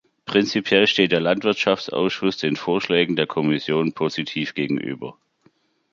Prinzipiell steht der Landwirtschaftsausschuss den Vorschlägen der Kommission positiv gegenüber.